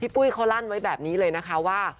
ปุ้ยเขาลั่นไว้แบบนี้เลยนะคะว่า